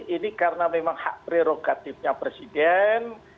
ini karena memang hak prerogatifnya presiden